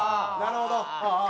なるほど。